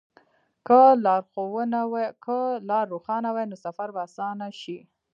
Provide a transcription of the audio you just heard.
که لار روښانه وي، نو سفر به اسانه شي.